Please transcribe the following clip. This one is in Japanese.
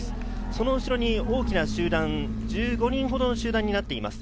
その後ろに大きな集団、１５人ほどの集団になっています。